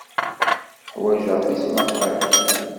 Ḥwajeɣ tismaqqalin.